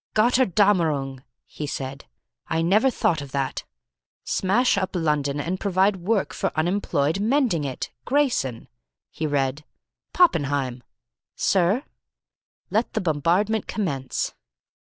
"Gotterdammerung!" he said. "I never thought of that. 'Smash up London and provide work for unemployed mending it. GRAYSON,'" he read. "Poppenheim." "Sir?" "Let the bombardment commence."